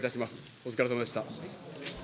お疲れさまでした。